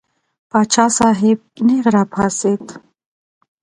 پاچا صاحب نېغ را پاڅېد.